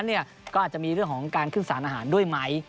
ก็อาจจะมีเรื่องของการขึ้นสารอาหารด้วยไหม